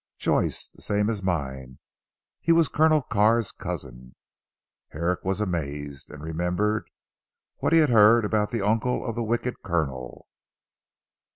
"Joyce! The same as mine. He was Colonel Carr's Cousin." Herrick was amazed, and remembered what he had heard about the uncle of the wicked Colonel.